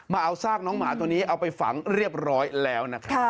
มาเอาซากน้องหมาตัวนี้เอาไปฝังเรียบร้อยแล้วนะครับ